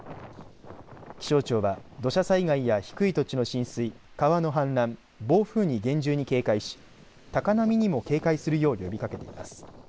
気象庁は土砂災害や低い土地の浸水川の氾濫、暴風に厳重に警戒し高波にも警戒するよう呼びかけています。